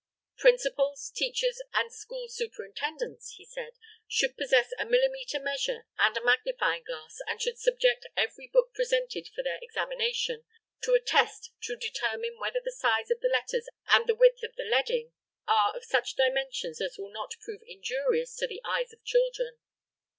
"Principals, teachers, and school superintendents," he says, "should possess a millimetre measure and a magnifying glass, and should subject every book presented for their examination to a test to determine whether the size of the letters and the width of the leading are of such dimensions as will not prove injurious to the eyes of children."